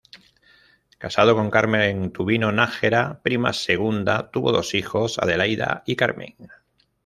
Casado con Carmen Tubino Nájera, prima segunda, tuvo dos hijas, Adelaida y Carmen.